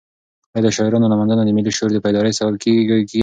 ایا د شاعرانو لمانځنه د ملي شعور د بیدارۍ سبب ګرځي؟